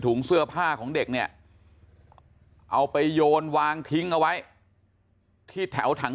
เสื้อผ้าของเด็กเนี่ยเอาไปโยนวางทิ้งเอาไว้ที่แถวถัง